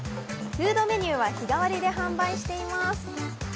フードメニューは日替わりで販売しています。